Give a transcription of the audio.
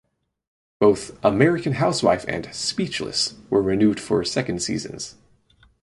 Both "American Housewife" and "Speechless" were renewed for second seasons.